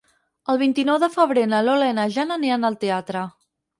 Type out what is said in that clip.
El vint-i-nou de febrer na Lola i na Jana aniran al teatre.